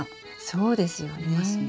そうですよね。